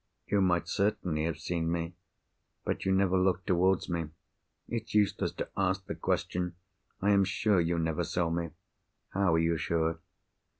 "You might certainly have seen me. But you never looked towards me. It's useless to ask the question. I am sure you never saw me." "How are you sure?"